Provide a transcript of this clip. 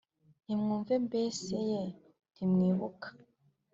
Ntimwumve mbese ye ntimwibuka